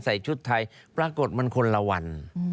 ใส่ชุดไทยปรากฏมันคนละวัน